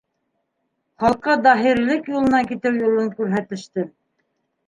Халыҡҡа дәһрилек юлынан китеү юлын күрһәтештем.